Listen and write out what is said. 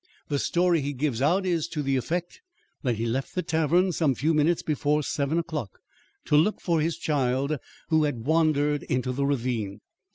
The story he gives out is to the effect that he left the tavern some few minutes before seven o'clock, to look for his child who had wandered into the ravine.